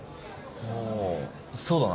ああそうだな。